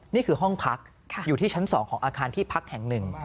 นี่คือห้องพักอยู่ที่ชั้น๒ของอาคารที่พักแห่งหนึ่ง